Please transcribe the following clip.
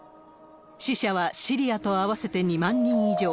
死者はシリアと合わせて２万人以上。